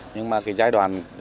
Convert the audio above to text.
nhưng mà cái giai đoạn